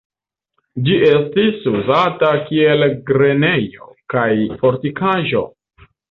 Ĝi estis uzata kiel grenejo kaj fortikaĵo.